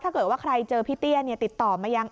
ถ้าเกิดว่าใครเจอพี่เตี้ยติดต่อมายัง